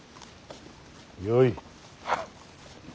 よい。